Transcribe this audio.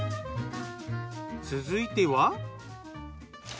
続いては？